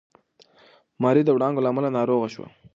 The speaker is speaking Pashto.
ماري د وړانګو له امله ناروغه شوه.